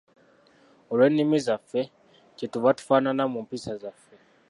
Olw'ennimi zaffe, kyetuva tufaanana mu mpisa zaffe.